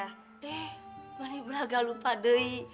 eh mana belaga lupa dei